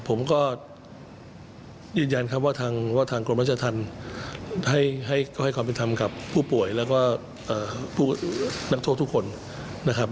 ผมก็ยืนยันครับว่าทางกรมราชธรรมให้ความเป็นธรรมกับผู้ป่วยแล้วก็ผู้นักโทษทุกคนนะครับ